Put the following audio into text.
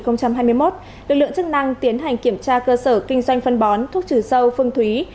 năm hai nghìn hai mươi một lực lượng chức năng tiến hành kiểm tra cơ sở kinh doanh phân bón thuốc trừ sâu phương thúy